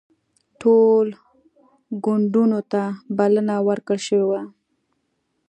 ټولو ګوندونو ته بلنه ورکړل شوې وه